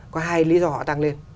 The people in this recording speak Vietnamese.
có hai lý do họ tăng lên